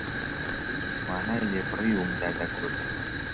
هێز و توانای لێ بڕیوم دەردە کورد